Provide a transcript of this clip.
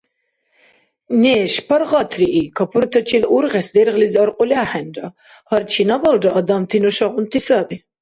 Неш, паргъатрии! Капуртачил ургъес дергълизи аркьули ахӀенра. Гьар чинабалра адамти нушагъунти саби.